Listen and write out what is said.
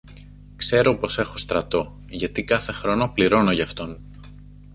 Ξέρω πως έχω στρατό, γιατί κάθε χρόνο πληρώνω γι' αυτόν.